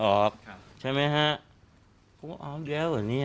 ออกใช่ไหมฮะ